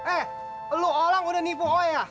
eh lo orang udah nipu oe ya